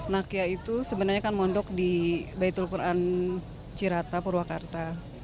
nakiya itu sebenarnya kan mondok di baitul quran cirata purwakarta